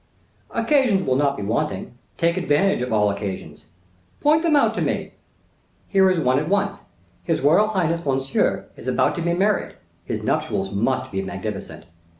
"Occasions will not be wanting; take advantage of all occasions." "Point them out to me." "Here is one at once. His royal highness Monsieur is about to be married; his nuptials must be magnificent.